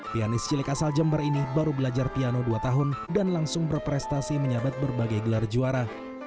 pianis cilik asal jember ini baru belajar piano dua tahun dan langsung berprestasi menyabat berbagai gelar juara